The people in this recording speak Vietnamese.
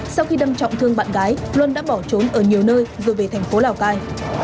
sau khi đâm trọng thương bạn gái luân đã bỏ trốn ở nhiều nơi rồi về thành phố lào cai